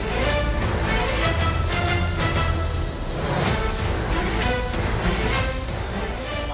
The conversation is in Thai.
นี่